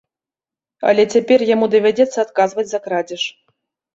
Але цяпер яму давядзецца адказваць за крадзеж.